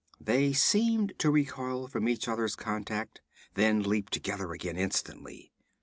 They seemed to recoil from each other's contact, then leap together again instantly.